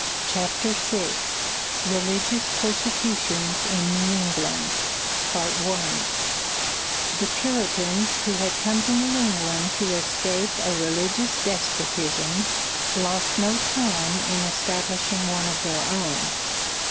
CHAPTER VI RELIGIOUS PERSECUTIONS IN NEW ENGLAND The Puritans, who had come to New England to escape a religious despotism, lost no time in establishing one of their own.